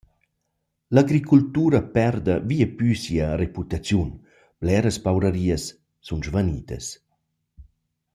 L’agricultura perda vieplü sia reputaziun, bleras paurarias sun svanidas.